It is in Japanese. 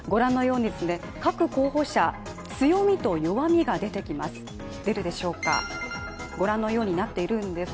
各候補者、強みと弱みが出てきます